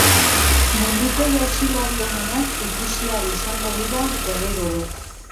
Munduko jauzilari onenak ikusi ahal izango dira berriro ere.